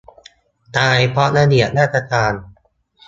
ตายเพราะระเบียบราชการ